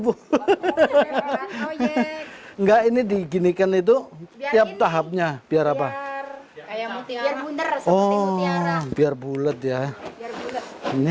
bu enggak ini diginikan itu tiap tahapnya biar apa ayam bener oh biar bulet ya ini